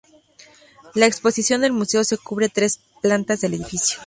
La exposición del museo se cubre tres plantas del edificio.